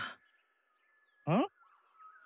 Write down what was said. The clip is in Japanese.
うん？